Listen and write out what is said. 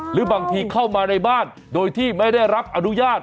หรือบางทีเข้ามาในบ้านโดยที่ไม่ได้รับอนุญาต